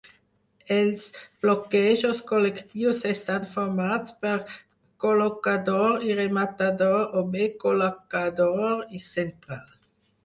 Els bloquejos col·lectius estan formats per col·locador i rematador o bé col·locador i central.